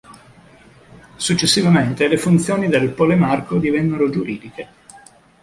Successivamente le funzioni del polemarco divennero giuridiche.